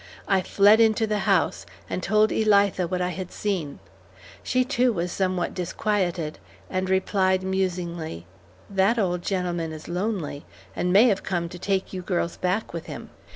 I fled into the house, and told Elitha what I had seen. She, too, was somewhat disquieted, and replied musingly, "The old gentleman is lonely, and may have come to take you girls back with him."